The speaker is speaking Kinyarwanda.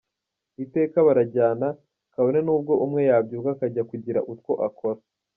Iteka barajyana, kabone n’ubwo umwe yabyuka akajya kugira utwo akora.